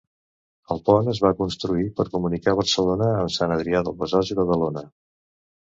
El pont es va construir per comunicar Barcelona amb Sant Adrià de Besòs i Badalona.